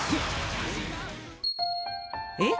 えっ！